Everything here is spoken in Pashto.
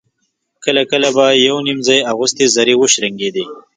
کله کله به يو _نيم ځای اغوستې زرې وشرنګېدې.